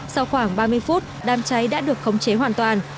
sau khoảng ba mươi phút đám cháy đã được khống chế hoàn toàn